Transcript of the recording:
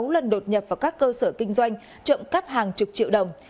sáu lần đột nhập vào các cơ sở kinh doanh trộm cắp hàng chục triệu đồng